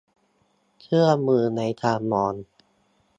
เครื่องมือในการมอง